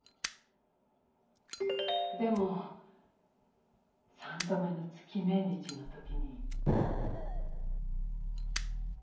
でも３度目の月命日の時に。